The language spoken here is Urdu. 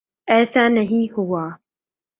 ایسا نہیں ہوا۔